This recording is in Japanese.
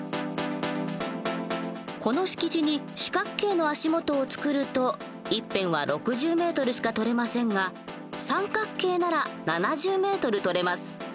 この敷地に四角形の足元を造ると一辺は６０ｍしかとれませんが三角形なら７０ｍとれます。